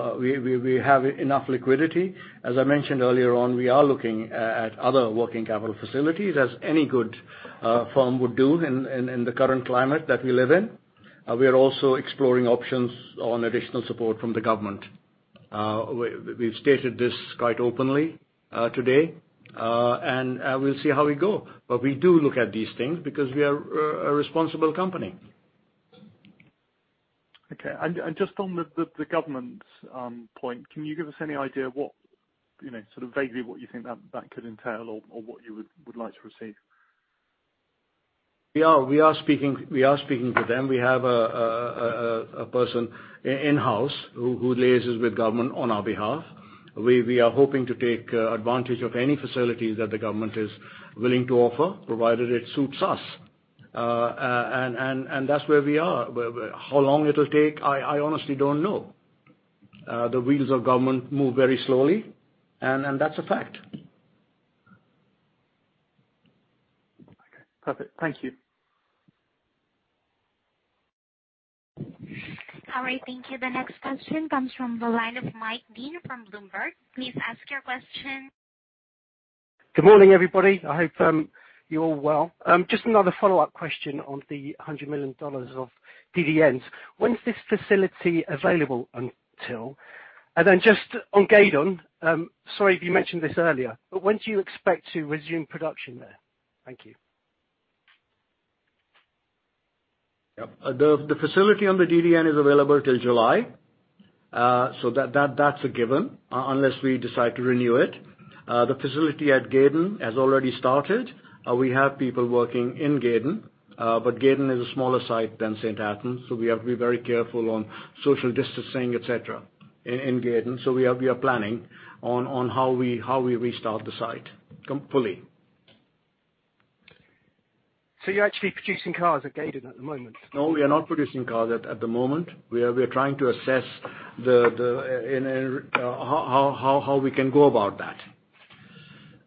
enough liquidity. As I mentioned earlier on, we are looking at other working capital facilities as any good firm would do in the current climate that we live in. We are also exploring options on additional support from the government. We have stated this quite openly today, and we will see how we go. We do look at these things because we are a responsible company. Okay. Just on the government point, can you give us any idea sort of vaguely what you think that could entail or what you would like to receive? We are speaking to them. We have a person in-house who liaises with government on our behalf. We are hoping to take advantage of any facilities that the government is willing to offer, provided it suits us. That is where we are. How long it will take, I honestly do not know. The wheels of government move very slowly, and that's a fact. Okay. Perfect. Thank you. All right. Thank you. The next question comes from the line of Mike Dean from Bloomberg. Please ask your question. Good morning, everybody. I hope you're all well. Just another follow-up question on the $100 million of DDNs. When's this facility available until? And then just on Gaydon, sorry if you mentioned this earlier, but when do you expect to resume production there? Thank you. The facility on the DDN is available till July. That is a given unless we decide to renew it. The facility at Gaydon has already started. We have people working in Gaydon, but Gaydon is a smaller site than St Athan. We have to be very careful on social distancing, etc., in Gaydon. We are planning on how we restart the site fully. You are actually producing cars at Gaydon at the moment? No, we are not producing cars at the moment. We are trying to assess how we can go about that.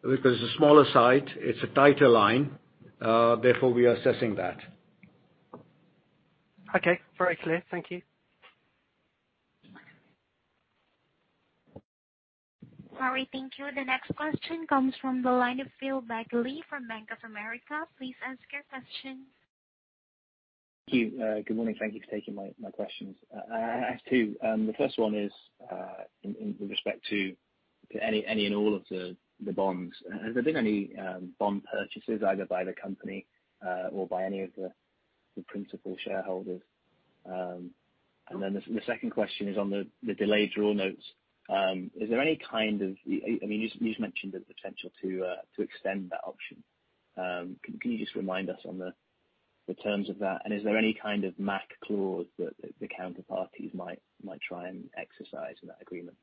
Because it is a smaller site, it is a tighter line. Therefore, we are assessing that. Okay. Very clear. Thank you. All right. Thank you. The next question comes from the line of Phil Bagguley from Bank of America. Please ask your question. Thank you. Good morning. Thank you for taking my questions. I have two. The first one is with respect to any and all of the bonds. Has there been any bond purchases either by the company or by any of the principal shareholders? The second question is on the delayed draw notes. Is there any kind of, I mean, you have mentioned the potential to extend that option. Can you just remind us on the terms of that? Is there any kind of MAC clause that the counterparties might try and exercise in that agreement?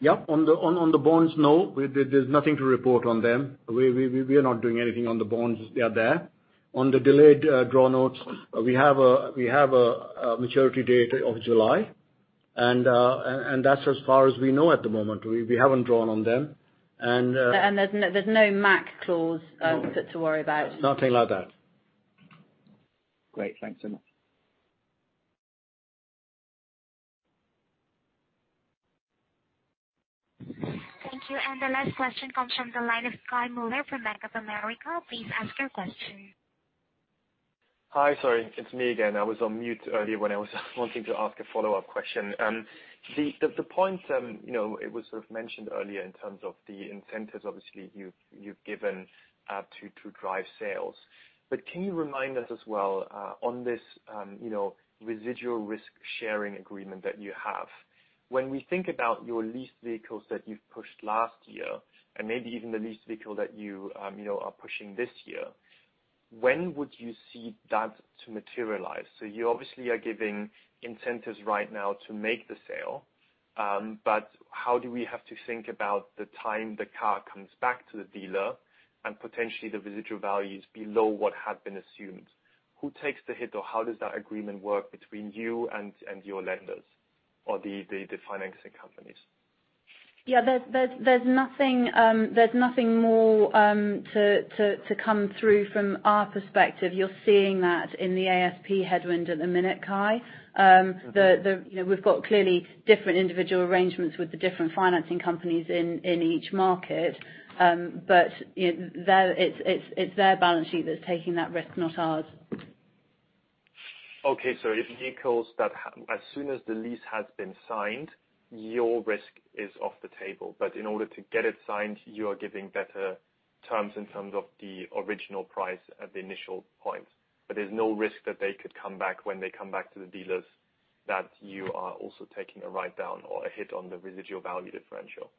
Yeah. On the bonds, no. There is nothing to report on them. We are not doing anything on the bonds that are there. On the delayed draw notes, we have a maturity date of July. That is as far as we know at the moment. We have not drawn on them. There is no MAC clause to worry about. Nothing like that. Great. Thanks so much. Thank you. The last question comes from the line of Kai Mueller from Bank of America. Please ask your question. Hi. Sorry. It is me again. I was on mute earlier when I was wanting to ask a follow-up question. The point, it was sort of mentioned earlier in terms of the incentives, obviously, you have given to drive sales. Can you remind us as well on this residual risk sharing agreement that you have, when we think about your leased vehicles that you've pushed last year and maybe even the leased vehicle that you are pushing this year, when would you see that to materialize? You obviously are giving incentives right now to make the sale, but how do we have to think about the time the car comes back to the dealer and potentially the residual values below what had been assumed? Who takes the hit or how does that agreement work between you and your lenders or the financing companies? Yeah. There's nothing more to come through from our perspective. You're seeing that in the ASP headwind at the minute, Kai. We've got clearly different individual arrangements with the different financing companies in each market, but it's their balance sheet that's taking that risk, not ours. Okay. If vehicles that, as soon as the lease has been signed, your risk is off the table. In order to get it signed, you are giving better terms in terms of the original price at the initial point. There's no risk that they could come back when they come back to the dealers that you are also taking a write-down or a hit on the residual value differential.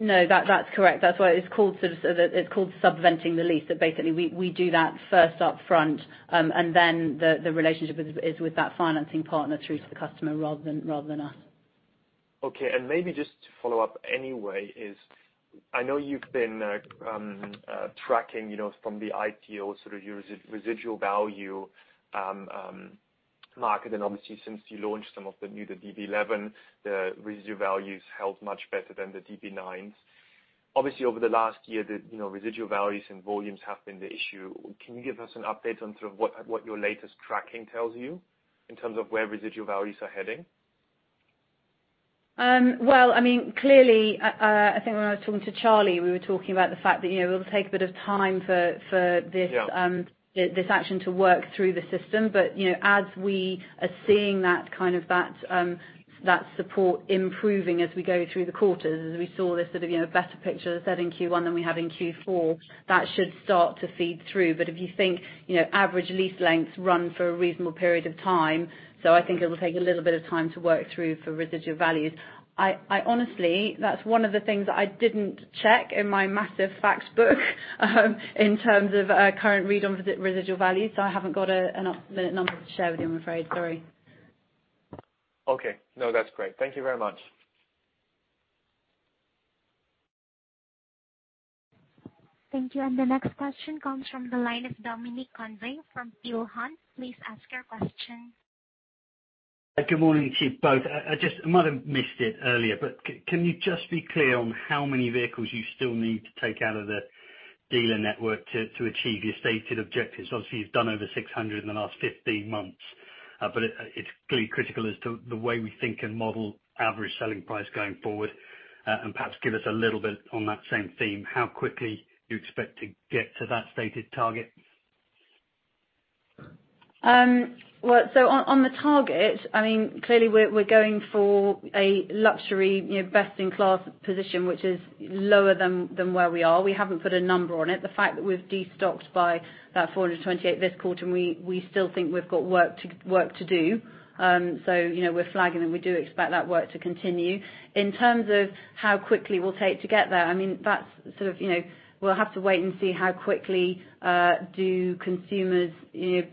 No, that's correct. That's why it's called subventing the lease. Basically, we do that first upfront, and then the relationship is with that financing partner through to the customer rather than us. Okay. Maybe just to follow up anyway, I know you've been tracking from the ITO, sort of your residual value market. Obviously, since you launched some of the new DB11, the residual values held much better than the DB9s. Obviously, over the last year, the residual values and volumes have been the issue. Can you give us an update on sort of what your latest tracking tells you in terms of where residual values are heading? I mean, clearly, I think when I was talking to Charlie, we were talking about the fact that it will take a bit of time for this action to work through the system. As we are seeing kind of that support improving as we go through the quarters, as we saw this sort of better picture set in Q1 than we have in Q4, that should start to feed through. If you think average lease lengths run for a reasonable period of time, I think it will take a little bit of time to work through for residual values. Honestly, that's one of the things I did not check in my massive facts book in terms of current read on residual values. I have not got a number to share with you, I'm afraid. Sorry. Okay. No, that's great. Thank you very much. Thank you. The next question comes from the line of Dominic Convey from Peel Hunt. Please ask your question. Good morning, Chief. I might have missed it earlier, but can you just be clear on how many vehicles you still need to take out of the dealer network to achieve your stated objectives? Obviously, you've done over 600 in the last 15 months, but it's clearly critical as to the way we think and model average selling price going forward and perhaps give us a little bit on that same theme. How quickly do you expect to get to that stated target? On the target, I mean, clearly, we're going for a luxury best-in-class position, which is lower than where we are. We haven't put a number on it. The fact that we've destocked by that 428 this quarter, we still think we've got work to do. We're flagging that we do expect that work to continue. In terms of how quickly we'll take to get there, I mean, that's sort of we'll have to wait and see how quickly do consumers'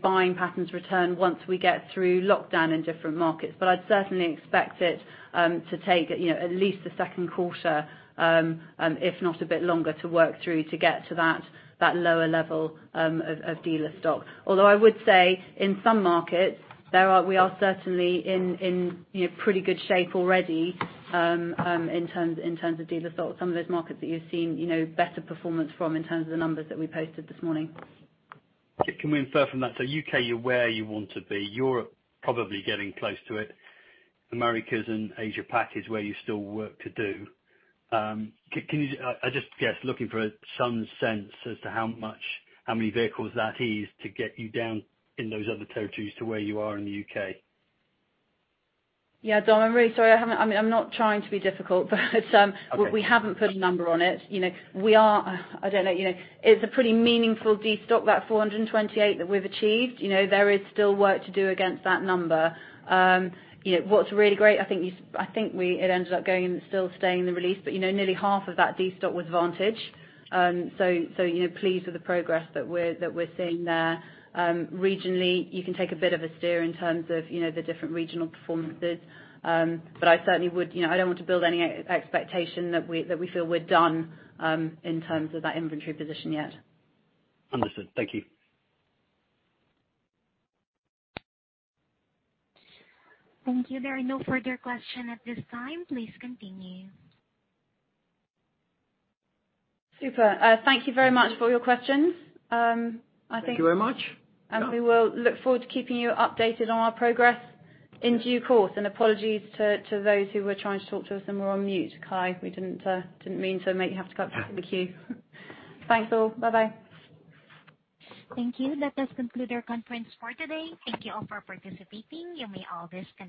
buying patterns return once we get through lockdown in different markets. I'd certainly expect it to take at least the second quarter, if not a bit longer, to work through to get to that lower level of dealer stock. Although I would say in some markets, we are certainly in pretty good shape already in terms of dealer stock, some of those markets that you've seen better performance from in terms of the numbers that we posted this morning. Can we infer from that? U.K., you're where you want to be. Europe probably getting close to it. Americas and Asia-Pac is where you still work to do. I just guess, looking for some sense as to how many vehicles that is to get you down in those other territories to where you are in the U.K. Yeah. I'm really sorry. I'm not trying to be difficult, but we haven't put a number on it. We are, I don't know, it's a pretty meaningful destock, that 428 that we've achieved. There is still work to do against that number. What's really great, I think it ended up going and still staying in the release, but nearly half of that destock was Vantage. So pleased with the progress that we're seeing there. Regionally, you can take a bit of a steer in terms of the different regional performances. I certainly would, I don't want to build any expectation that we feel we're done in terms of that inventory position yet. Understood. Thank you. Thank you. There are no further questions at this time. Please continue. Super. Thank you very much for your questions. I think. Thank you very much. We will look forward to keeping you updated on our progress in due course. Apologies to those who were trying to talk to us and were on mute, Kai. We did not mean to make you have to cut through the queue. Thanks, all. Bye-bye. Thank you. That does conclude our conference for today. Thank you all for participating. You may all disconnect.